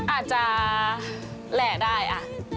อาจจะแหล่ได้อ่ะ